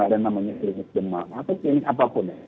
ada yang namanya krimis demam atau krimis apapun ya